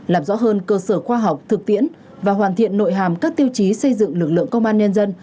làm rõ hơn cơ sở khoa học thực tiễn và hoàn thiện nội hàm các tiêu chí xây dựng lực lượng công an nhân dân